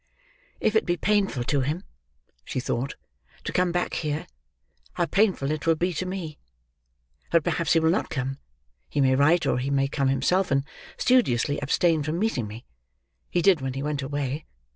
"If it be painful to him," she thought, "to come back here, how painful it will be to me! But perhaps he will not come; he may write, or he may come himself, and studiously abstain from meeting me—he did when he went away.